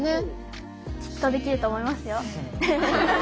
きっとできると思いますよ。